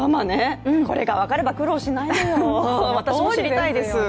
これが分かれば苦労しないのよ、私も知りたいです。